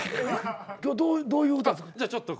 今日どういう歌作った？